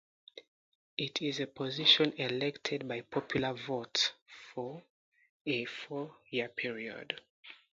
It is a position elected by popular vote for a four-year period.